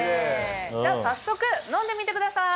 じゃあ早速飲んでみてください。